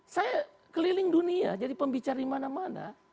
saya keliling dunia jadi pembicara di mana mana